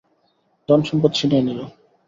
ধন-সম্পদ ছিনিয়ে নিল।